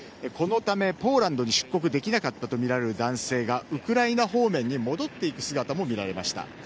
このためポーランドに出国できなかったとみられる男性がウクライナ方面に戻っていく姿も見られました。